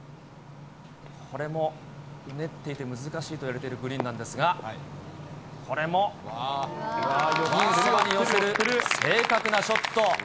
これもうねっていて、難しいといわれているグリーンなんですが、これもピンそばに寄せる正確なショット。